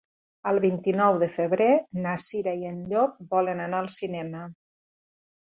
El vint-i-nou de febrer na Cira i en Llop volen anar al cinema.